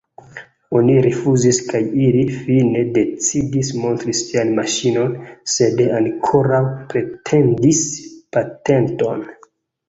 Oni rifuzis kaj ili, fine, decidis montri sian maŝinon, sed ankoraŭ pretendis patenton.